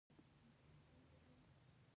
ایا زه باید له خاوند لرې اوسم؟